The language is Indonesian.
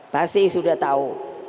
pasti sudah tahu